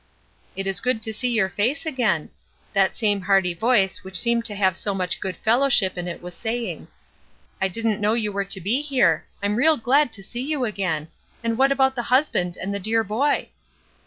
"It is good to see your face again," that same hearty voice which seemed to have so much good fellowship in it was saying. "I didn't know you were to be here; I'm real glad to see you again, and what about the husband and the dear boy?"